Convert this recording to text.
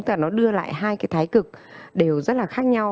và nó đưa lại hai cái thái cực đều rất là khác nhau